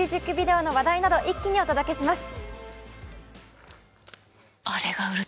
ＭＶの話題など一気にお届けします。